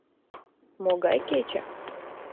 Могай кече?